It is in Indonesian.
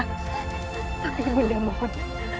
tapi ibu nek mohon